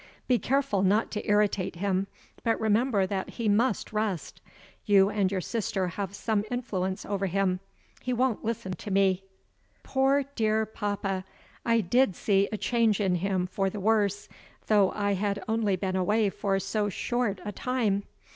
Be careful not to irritate him but remember that he must rest. You and your sister have some influence over him; he won't listen to me." Poor dear papa! I did see a change in him for the worse though I had only been away for so short a time.